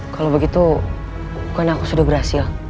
kalau begitu kan aku sudah berhasil